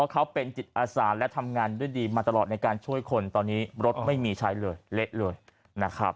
เขาเป็นจิตอาสาและทำงานด้วยดีมาตลอดในการช่วยคนตอนนี้รถไม่มีใช้เลยเละเลยนะครับ